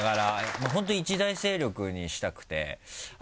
本当に一大勢力にしたくて。